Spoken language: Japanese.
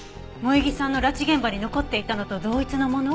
萌衣さんの拉致現場に残っていたのと同一のもの？